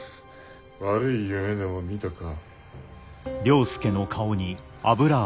悪い夢でも見たか？